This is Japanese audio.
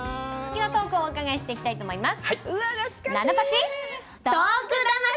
トークをお伺いしていきたいと思います